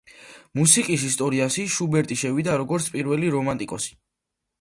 მუსიკის ისტორიაში შუბერტი შევიდა როგორც პირველი რომანტიკოსი.